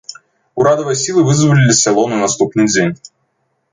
Урадавыя сілы вызвалілі сяло на наступны дзень.